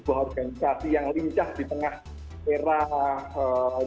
sebuah organisasi yang lincah di tengah era digital